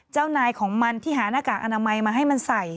เจ้านายของมันที่หาหน้ากากอนามัยมาให้มันใส่